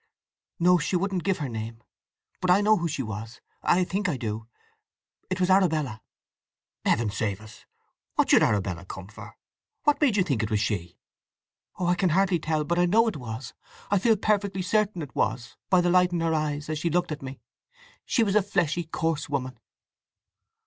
"No. She wouldn't give her name. But I know who she was—I think I do! It was Arabella!" "Heaven save us! What should Arabella come for? What made you think it was she?" "Oh, I can hardly tell. But I know it was! I feel perfectly certain it was—by the light in her eyes as she looked at me. She was a fleshy, coarse woman."